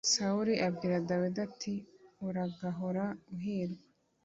Sawuli abwira Dawidi ati Uragahora uhirwa